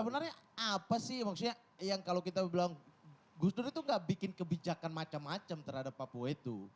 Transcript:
sebenernya apa sih maksudnya yang kalo kita bilang gus dur itu gak bikin kebijakan macem macem terhadap papua itu